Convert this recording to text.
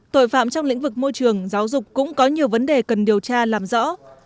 tội phạm trong lĩnh vực môi trường giáo dục cũng có nhiều vấn đề cần điều tra làm rõ